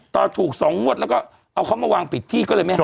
ถูก๒งวดแล้วก็เอาเขามาวางปิดที่ก็เลยไม่ให้